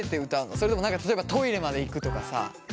それとも例えばトイレまで行くとかさ。